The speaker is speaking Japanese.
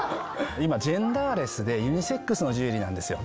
今ジェンダーレスでユニセックスのジュエリーなんですよ